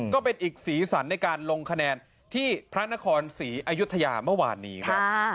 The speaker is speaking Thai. ก็เป็นอีกสีสันในการลงคะแนนที่พระนครศรีอยุธยาเมื่อวานนี้ครับ